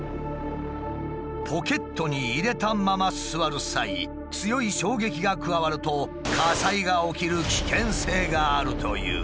ポケットに入れたまま座る際強い衝撃が加わると火災が起きる危険性があるという。